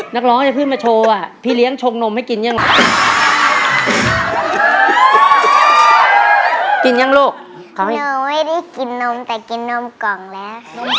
นักร้องจะขึ้นมาโชว์อ่ะพี่เลี้ยงชงนมให้กินยังเหรอ